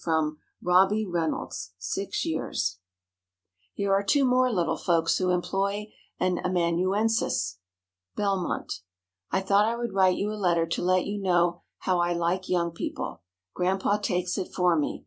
From ROBBIE REYNOLDS (six years). Here are two more little folks, who employ an amanuensis: BELMONT. I thought I would write you a letter to let you know how I like Young People. Grandpa takes it for me.